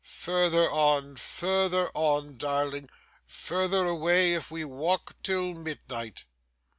'Further on, further on, darling, further away if we walk till midnight.